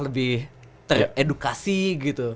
lebih teredukasi gitu